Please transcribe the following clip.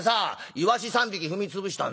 いわし３匹踏み潰したんだよ」。